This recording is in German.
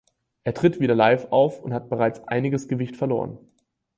Er tritt wieder live auf und hat bereits einiges Gewicht verloren.